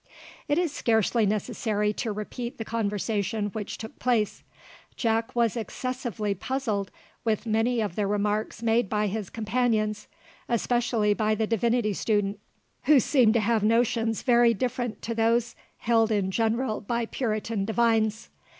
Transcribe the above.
It is scarcely necessary to repeat the conversation which took place. Jack was excessively puzzled with many of the remarks made by his companions, especially by the divinity student, who seemed to have notions very different to those held in general by Puritan divines.